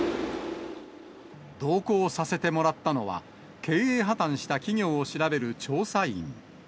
同行させてもらったのは、経営破綻した企業を調べる調査員。